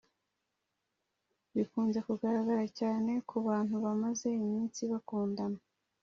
Bikunze kugaragara cyane ku bantu bamaze iminsi bakundana